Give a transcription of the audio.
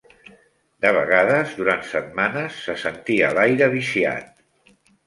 De vegades, durant setmanes, se sentia l"aire viciat.